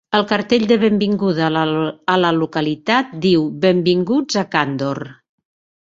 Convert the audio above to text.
El cartell de benvinguda a la localitat diu: Benvinguts a Candor.